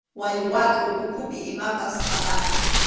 Wallwakʼu ukhupi imapas apana.